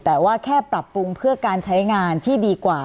แต่ว่าแค่ปรับปรุงเพื่อการใช้งานที่ดีกว่า